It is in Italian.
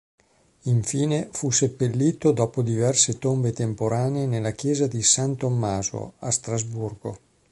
Infine fu seppellito, dopo diverse tombe temporanee, nella chiesa di San Tommaso a Strasburgo.